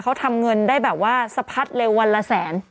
เขาทำเงินได้แบบว่าสะพัดเร็ววันละแสน